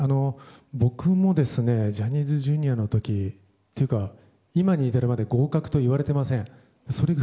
僕もジャニーズＪｒ．の時というか、今に至るまで合格と言われていません。